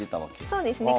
そうですね。